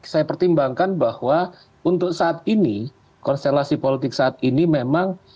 saya pertimbangkan bahwa untuk saat ini konstelasi politik saat ini memang